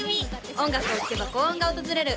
音楽を聴けば幸運が訪れる